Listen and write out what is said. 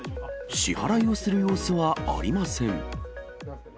支払いをする様子はありません。